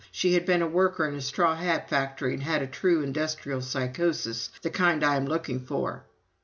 She had been a worker in a straw hat factory and had a true industrial psychosis the kind I am looking for."